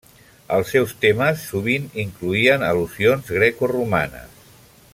Els seus temes sovint incloïen al·lusions grecoromanes.